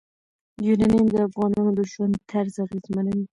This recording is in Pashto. یورانیم د افغانانو د ژوند طرز اغېزمنوي.